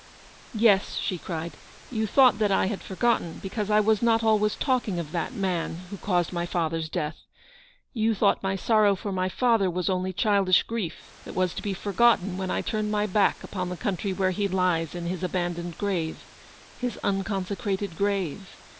" Yes," she cried, " you thought that I had for gotten, because I was not always talking of that 990 man who caused my father's death. You thought my sorrow for my father was only childish grief, that was to be forgotten when I turned my back upon the country where he lies in his abandoned grave — his unconsecrated grave